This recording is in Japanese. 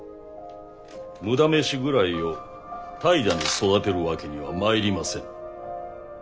無駄飯食らいを怠惰に育てるわけにはまいりませぬ。